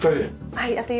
はい。